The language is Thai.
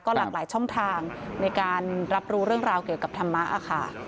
หลากหลายช่องทางในการรับรู้เรื่องราวเกี่ยวกับธรรมะค่ะ